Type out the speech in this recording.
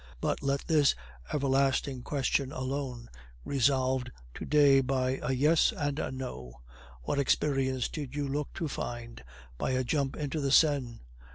But let this everlasting question alone, resolved to day by a 'Yes' and a 'No.' What experience did you look to find by a jump into the Seine?